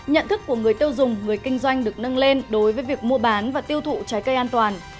nhận thức của người tiêu dùng người kinh doanh được nâng lên đối với việc mua bán và tiêu thụ trái cây an toàn